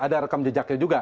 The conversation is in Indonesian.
ada rekam jejaknya juga